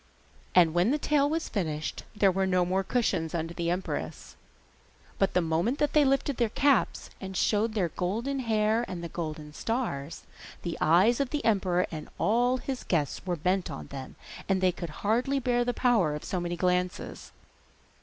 And when the tale was finished there were no more cushions under the empress, but the moment that they lifted their caps, and showed their golden hair and the golden stars, the eyes of the emperor and of all his guests were bent on them, and they could hardly bear the power of so many glances.